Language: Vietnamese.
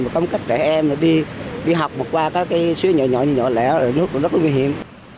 những các trẻ em đi học một qua các cái suối nhỏ nhỏ nhỏ lẻ rồi nước cũng rất là nguy hiểm